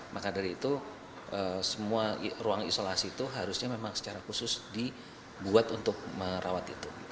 maka dari itu semua ruang isolasi itu harusnya memang secara khusus dibuat untuk merawat itu